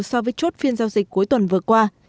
so với chốt phiên giao dịch cuối tuần vừa qua